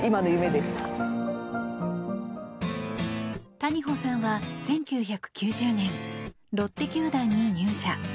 谷保さんは１９９０年ロッテ球団に入社。